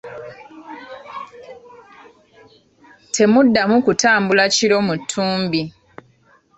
Temuddamu kutambula kiro mu ttumbi.